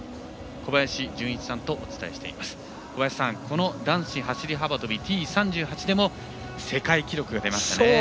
小林さん、この男子走り幅跳びＴ３８でも世界記録が出ましたね。